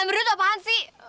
lamber itu apaan sih